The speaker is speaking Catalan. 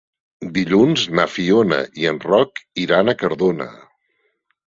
Dilluns na Fiona i en Roc iran a Cardona.